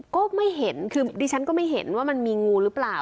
ก็ไม่เห็นคือดิฉันก็ไม่เห็นว่ามันมีงูหรือเปล่า